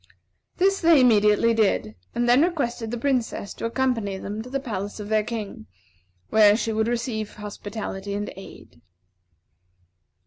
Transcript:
This they immediately did, and then requested the Princess to accompany them to the palace of their King, where she would receive hospitality and aid.